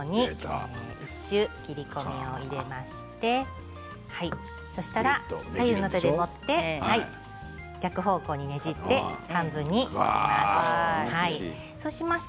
一周切り込みを入れまして左右の手で持って逆方向にねじって半分に割ります。